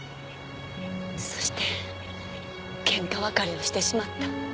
そして喧嘩別れをしてしまった。